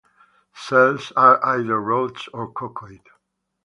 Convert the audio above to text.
Cells are either rods or coccoid.